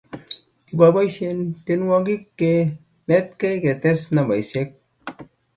Kiboisien tenwogin ke netgei ketes nambaisiek